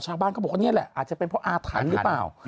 ชาวบ้านก็บอกว่านี่แหละอาจจะเป็นเพราะอาถรรพ์หรือเปล่า